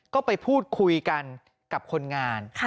ก็ไปพูดคุยกันกับคนงาน